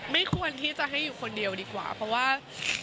ไม่ควรที่จะให้อยู่คนเดียวดีกว่าเพราะว่า